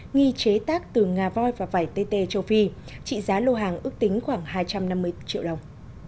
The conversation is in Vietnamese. nghi chế tác từ ngà voi và vải tt châu phi trị giá lô hàng ước tính khoảng hai trăm năm mươi triệu đồng